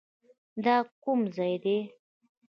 دا کوم ځاى دى.